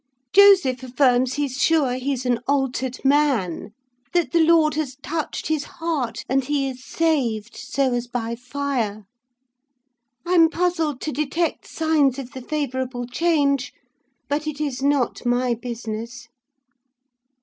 Joseph affirms he's sure he's an altered man: that the Lord has touched his heart, and he is saved 'so as by fire.' I'm puzzled to detect signs of the favourable change: but it is not my business.